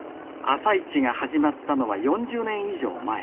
朝市が始まったのは４０年以上前。